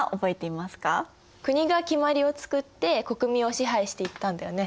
国が決まりを作って国民を支配していったんだよね。